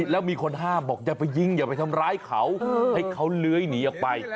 แล้วมีคนห้ามบอกอย่าไปยิงอย่าไปทำร้ายเขาให้เขาเลื้อยหนีออกไป